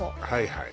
はい